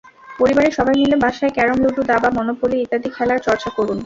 পরিবারের সবাই মিলে বাসায় ক্যারম, লুডু, দাবা, মনোপলি ইত্যাদি খেলার চর্চা করুন।